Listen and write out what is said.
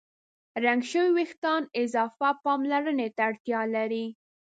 رنګ شوي وېښتيان اضافه پاملرنې ته اړتیا لري.